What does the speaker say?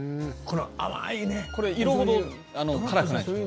「これ色ほど辛くないでしょ？」